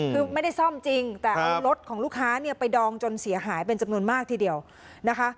คือไม่ได้ซ่อมจริงแต่เอารถของลูกค้าเนี่ยไปดองจนเสียหายเป็นจำนวนมากทีเดียวนะคะ